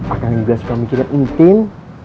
akang juga suka mikirin intin